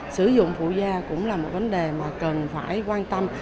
sử dụng phụ da cũng là một vấn đề mà cần phải quan tâm